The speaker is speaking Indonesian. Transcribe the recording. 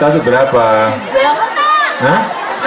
laptop berapa sih harganya